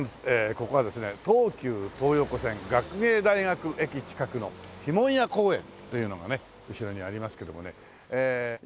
ここはですね東急東横線学芸大学駅近くの碑文谷公園っていうのがね後ろにありますけどもね意外とね